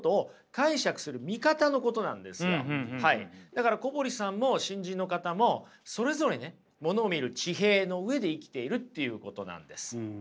だから小堀さんも新人の方もそれぞれねものを見る地平の上で生きているっていうことなんです。